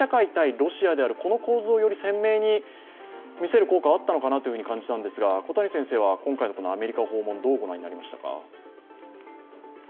ロシアであるこの構図をより鮮明に見せる効果があったのかなというふうに感じたんですが小谷先生は今回のアメリカ訪問、どうご覧になりましたか？